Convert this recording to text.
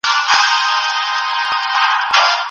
هغه د څراغ په بلولو سره د شپې کیسه پای ته ورسوله.